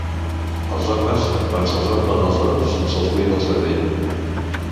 Als homes, quan se'ls omplen els ous, se'ls buida el cervell.